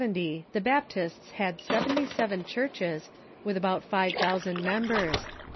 ] In 1770 the Baptists bad seventy seven churclies with about five thousand members.